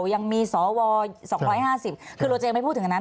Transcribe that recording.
ยังมีสว๒๕๐คือเราจะยังไม่พูดถึงอันนั้น